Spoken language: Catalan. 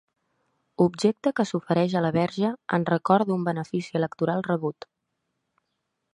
Objecte que s'ofereix a la Verge en record d'un benefici electoral rebut.